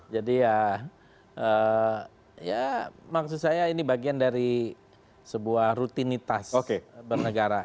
jadi ya maksud saya ini bagian dari sebuah rutinitas bernegara